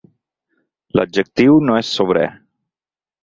L'adjectiu no és sobrer.